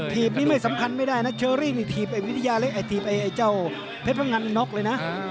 ถีบนี้ไม่สำคัญไม่ได้นะเชอรี่ถีบไอ้เจ้าเพชรพังงานน็อคเลยนะ